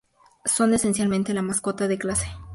Son esencialmente la mascota de clase.